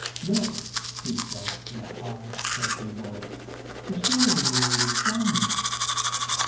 "Look," he said in a high, shaken voice, "the steering wheel is jammed!"